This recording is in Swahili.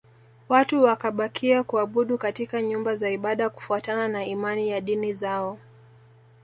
Watu wakabakia kuabudu katika nyumba za ibada kufuatana na imani ya dini zao